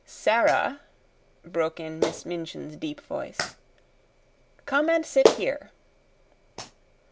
"Sara," broke in Miss Minchin's deep voice, "come and sit here."